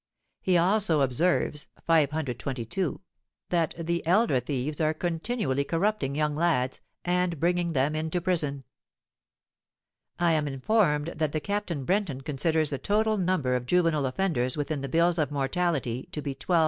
He also observes (522) that 'the elder thieves are continually corrupting young lads, and bringing them into prison.' "I am informed that Captain Brenton considers the total number of juvenile offenders within the bills of mortality to be 12,000.